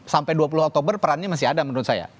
sampai dua puluh oktober perannya masih ada menurut saya